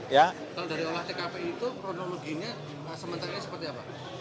kalau dari olah tkp itu kronologinya sementara seperti apa